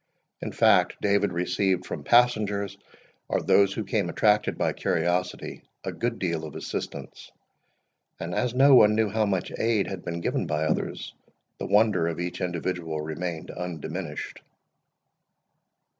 In fact, David received from passengers, or those who came attracted by curiosity, a good deal of assistance; and as no one knew how much aid had been given by others, the wonder of each individual remained undiminished.